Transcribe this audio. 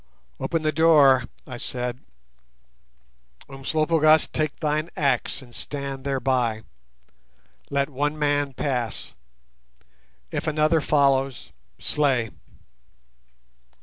"Open the door," I said. "Umslopogaas, take thine axe and stand thereby. Let one man pass. If another follows, slay."